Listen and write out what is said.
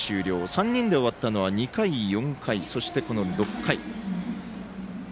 ３人で終わったのは２回、４回、この６回。